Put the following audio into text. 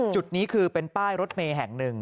จุดนี้คือเป็นป้ายรถเมย์แห่งหนึ่ง